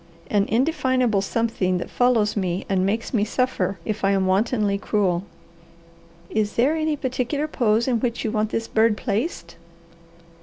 "An indefinable something that follows me and makes me suffer if I am wantonly cruel." "Is there any particular pose in which you want this bird placed?"